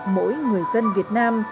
mỗi người dân việt nam